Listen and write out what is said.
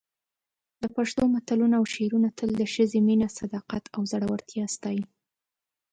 د پښتو متلونه او شعرونه تل د ښځې مینه، صداقت او زړورتیا ستایي.